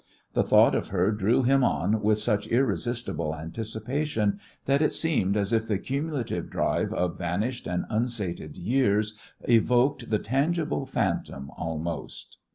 The thought of her drew him on with such irresistible anticipation that it seemed as if the cumulative drive of vanished and unsated years evoked the tangible phantom almost.